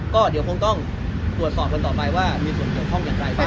ก็เดี๋ยวคงต้องตรวจสอบกันต่อไปว่ามีส่วนเกี่ยวข้องอย่างไรบ้าง